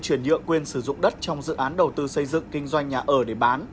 chuyển nhựa quyền sử dụng đất trong dự án đầu tư xây dựng kinh doanh nhà ở để bán